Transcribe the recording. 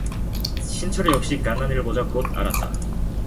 신철이 역시 간난이를 보자 곧 알았다.